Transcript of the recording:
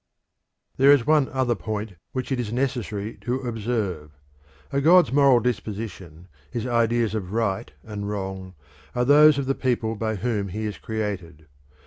There is one other point which it is necessary to observe. A god's moral disposition, his ideas of right and wrong, are those of the people by whom he is created.